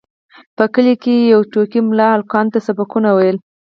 په کلي کې یو ټوکي ملا هلکانو ته سبقونه ویل.